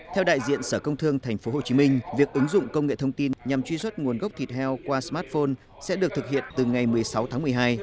theo đại diện sở công thương tp hcm việc ứng dụng công nghệ thông tin nhằm truy xuất nguồn gốc thịt heo qua smartphone sẽ được thực hiện từ ngày một mươi sáu tháng một mươi hai